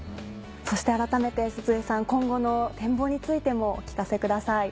そして改めて鈴江さん今後の展望についてもお聞かせください。